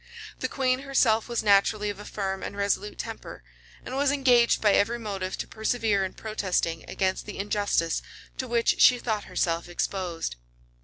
The queen herself was naturally of a firm and resolute temper; and was engaged by every motive to persevere in protesting against the injustice to which she thought herself exposed.